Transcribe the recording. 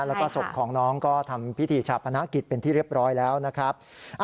แล้วก็ศพของน้องก็ทำพิธีชาปนกิจเป็นที่เรียบร้อยแล้วนะครับ